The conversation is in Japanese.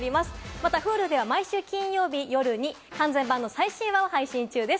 またＨｕｌｕでは毎週金曜日夜に完全版の最新話を配信中です。